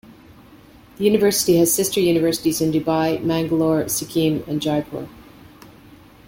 The university has sister universities in Dubai, Mangalore, Sikkim, and Jaipur.